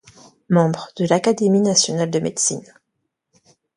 Membre de l'Académie nationale de médecine.